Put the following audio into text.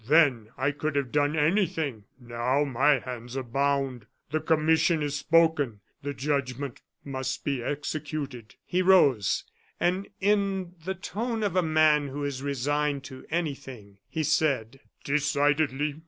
"Then I could have done anything now, my hands are bound. The commission has spoken; the judgment must be executed " He rose, and in the tone of a man who is resigned to anything, he said: "Decidedly.